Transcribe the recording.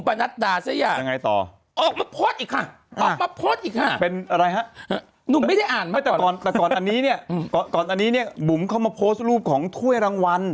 บุ๋มเขามาโพสต์รูปของถ้วยรางวัล